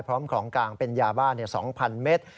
พร้อมของกลางเป็นยาบ้า๒๐๐เมตร